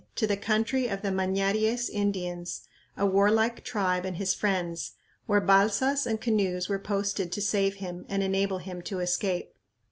to the country of the Mañaries Indians, a warlike tribe and his friends, where balsas and canoes were posted to save him and enable him to escape."